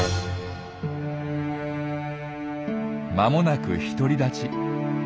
間もなく独り立ち。